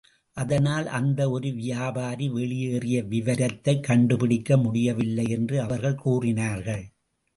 அதனால், அந்த ஒரு வியாபாரி வெளியேறிய விவரத்தைக் கண்டுபிடிக்க முடியவில்லை என்று அவர்கள் கூறினார்கள்.